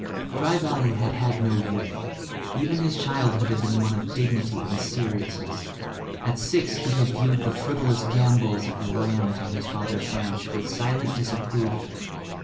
Dry Valley had had no youth. Even his childhood had been one of dignity and seriousness. At six he had viewed the frivolous gambols of the lambs on his father's ranch with silent disapproval.